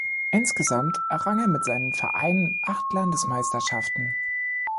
Insgesamt errang er mit seinen Vereinen acht Landesmeisterschaften.